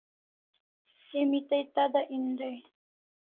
Emi tai tada en dai